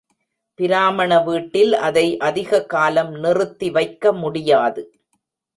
பிராமண வீட்டில் அதை அதிக காலம் நிறுத்தி வைக்க முடியாது.